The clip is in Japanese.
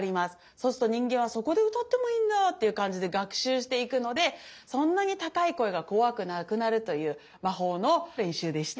そうすると人間はそこで歌ってもいいんだっていう感じで学習していくのでそんなに高い声が怖くなくなるという魔法の練習でした。